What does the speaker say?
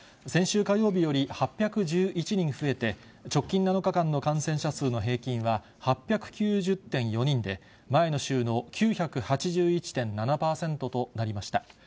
先週火曜日より８１１人増えて、直近７日間の感染者数の平均は８９０．４人で、前の週の９８１．７％となりました。